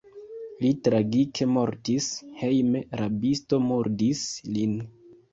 Li tragike mortis: hejme rabisto murdis lin.